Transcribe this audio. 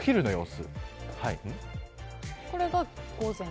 お昼の様子。